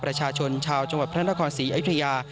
ประชาชนชาวจังหวัดพระนครศรีอยุธยา